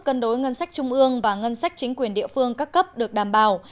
cân đối ngân sách trung ương và ngân sách chính quyền địa phương các cấp được đảm bảo